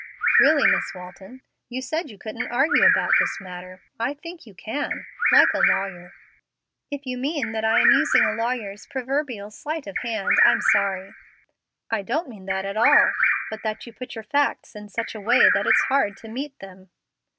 "Really, Miss Walton, you said you couldn't argue about this matter. I think you can, like a lawyer." "If you mean that I am using a lawyer's proverbial sleight of hand, I'm sorry." "I don't mean that at all, but that you put your facts in such a way that it's hard to meet them."